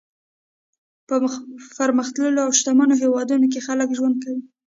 په پرمختللو او شتمنو هېوادونو کې خلک ژوند کوي.